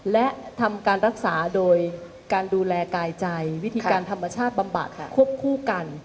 และทำการรักษาโดยการดูแลกายใจวิธีการธรรมชาติบำบัดควบคู่กัน